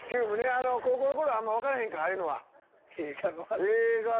高校の頃はあんま分からへんかああいうのは。